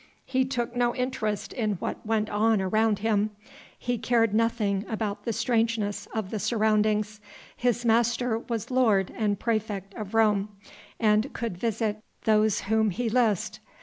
He took no interest in what went on around him; he cared nothing about the strangeness of the surroundings, his master was lord and praefect of Rome, and could visit those whom he list.